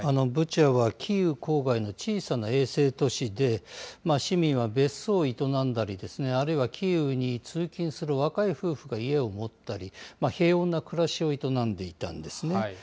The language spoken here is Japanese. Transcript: ブチャはキーウ郊外の小さな衛星都市で、市民は別荘を営んだり、あるいはキーウに通勤する若い夫婦が家を持ったり、平穏な暮らしを営んでいたんですね。